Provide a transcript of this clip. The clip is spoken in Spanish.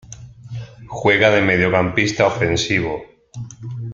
Juega de mediocampista ofensivo.